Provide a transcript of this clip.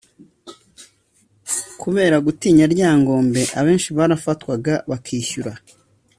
kubera gutinya ryangombe abenshi barafatwaga bakishyura